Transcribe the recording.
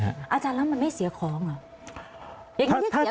อาจารย์แล้วมันไม่เสียของเหรอ